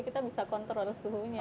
kita bisa kontrol suhunya